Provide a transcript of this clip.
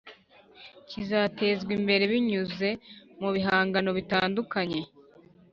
kigatezwa imbere binyuze mu bihangano bitandukanye,